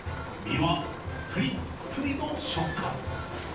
身はぷりっぷりの食感。